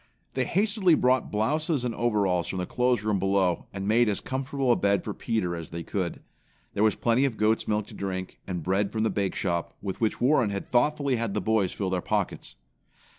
They hastily brought blouses and overalls from the clothes room below and made as comfortable a bed for Peter as they could. There was plenty of goat's milk to drink, and bread from the bake shop, with which Warren had thoughtfully had the boys fill their pockets.